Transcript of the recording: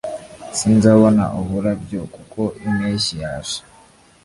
sinzabona uburabyo kuko impeshyi yaje